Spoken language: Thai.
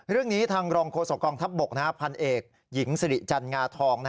เรื่องนี้ทางรองโฆษกองทัพบกพันเอกหญิงสิริจันงาทอง